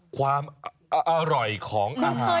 ความอร่อยของอาหาร